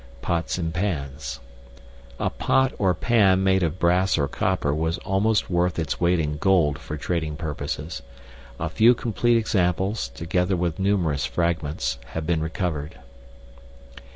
Pots and Pans. A pot or pan made of brass or copper was almost worth its weight in gold for trading purposes. A few complete examples, together with numerous fragments, have been recovered.